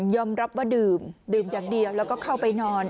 รับว่าดื่มดื่มอย่างเดียวแล้วก็เข้าไปนอน